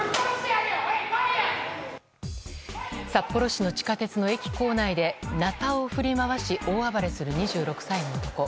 札幌市の地下鉄の駅構内でなたを振り回し大暴れする２６歳の男。